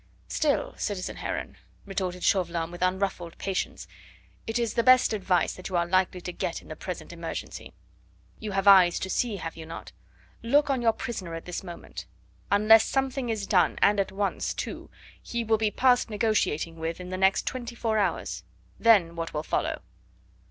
"Still, citizen Heron," retorted Chauvelin with unruffled patience, "it is the best advice that you are likely to get in the present emergency. You have eyes to see, have you not? Look on your prisoner at this moment. Unless something is done, and at once, too, he will be past negotiating with in the next twenty four hours; then what will follow?"